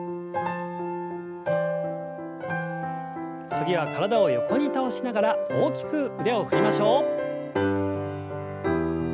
次は体を横に倒しながら大きく腕を振りましょう。